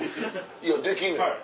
いやできんねん。